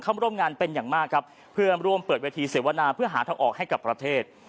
มาร่วมงานเป็นอย่างมากครับเพื่อร่วมเปิดเวทีเสวนาเพื่อหาทางออกให้กับประเทศ